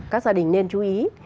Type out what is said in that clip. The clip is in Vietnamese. các gia đình nên chú ý